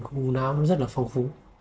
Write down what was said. của u não rất là phong phú